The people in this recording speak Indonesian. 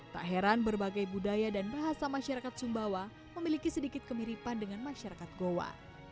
tak heran berbagai budaya dan bahasa masyarakat sumbawa memiliki sedikit kemiripan dengan masyarakat goa